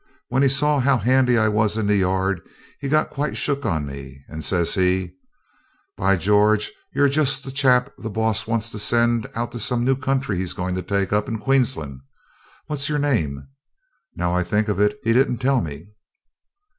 When he saw how handy I was in the yard he got quite shook on me, and, says he 'By George, you're just the chap the boss wants to send out to some new country he's going to take up in Queensland. What's your name? Now I think of it he didn't tell me.'